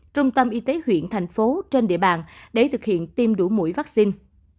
trung tâm y tế huyện thành phố trên địa bàn để thực hiện tiêm đủ mũi vaccine